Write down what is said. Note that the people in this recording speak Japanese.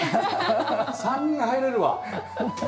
３人入れるわ。